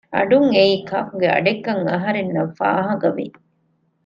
އަޑުން އެއީ ކާކުގެ އަޑެއްކަން އަހަރެންނަށް ފާހަގަވި